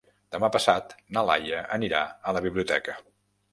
Demà passat na Laia anirà a la biblioteca.